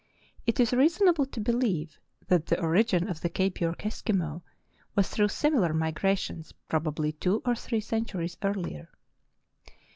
It is rea sonable to believe that the origin of the Cape York Eskimo was through similar migrations probably two or three centuries earlier.